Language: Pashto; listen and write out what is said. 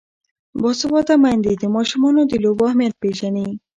باسواده میندې د ماشومانو د لوبو اهمیت پېژني.